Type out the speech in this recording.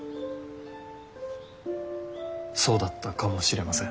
そうだったかもしれません。